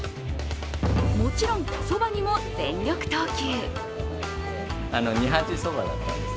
もちろん、そばにも全力投球。